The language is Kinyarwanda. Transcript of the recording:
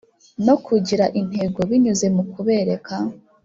No kugira intego binyuze mu kubereka